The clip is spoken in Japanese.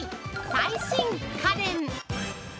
最新家電！